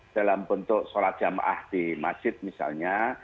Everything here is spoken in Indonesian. dalam bentuk sholat jamaah di masjid misalnya